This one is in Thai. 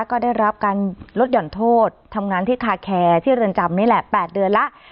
ก็ได้รับการลดหย่อนโทษทำงานที่คาแคร์ที่เรือนจำนี่แหละ๘เดือนแล้ว